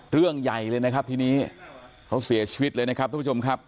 เรื่องใหญ่เลยนะครับทีนี้เขาเสียชีวิตเลยนะครับทุกผู้ชมครับ